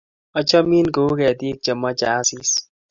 achamin ko u ketik chemache asis